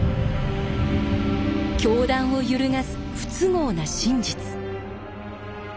教団を揺るがす不都合な真実。